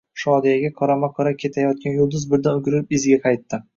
Shodiyaga qorama-qora ketayotgan Yulduz birdan o`girilib iziga qaytdi